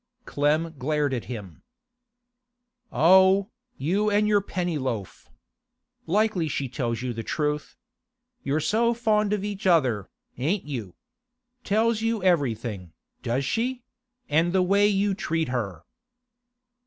Clem glared at him. 'Oh, you an' your Pennyloaf! Likely she tells you the truth. You're so fond of each other, ain't you! Tells you everything, does she?—and the way you treat her!